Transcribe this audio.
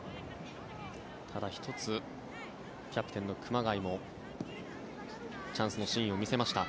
ただ、１つキャプテンの熊谷もチャンスのシーンを見せました。